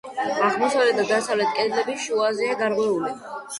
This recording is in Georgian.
აღმოსავლეთ და დასავლეთ კედლები შუაზეა გარღვეული.